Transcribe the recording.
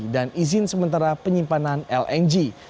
dan izin sementara penyimpanan esdm